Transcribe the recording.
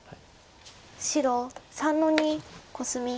白３の二コスミ。